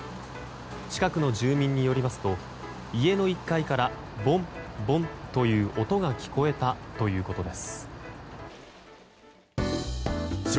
近くの住民によりますと家の１階からボン、ボンという音が聞こえたということです。